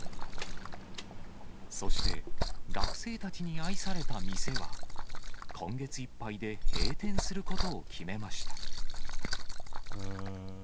そして、学生たちに愛された店は、今月いっぱいで閉店することを決めました。